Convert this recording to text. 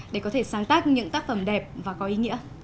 để có thể sáng tác những tác phẩm đẹp và có ý nghĩa